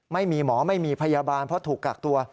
ไม่มีหมอไม่มีพยาบาลเพราะถูกกักตัว